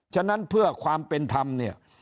ฉะนั้นเพื่อความเป็นธรรมเนี่ย